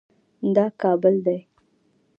دا کابل دی